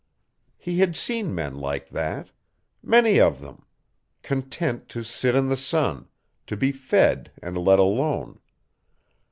He had seen men like that many of them content to sit in the sun, to be fed and let alone.